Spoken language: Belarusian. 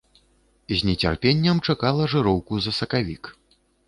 З нецярпеннем чакала жыроўку за сакавік.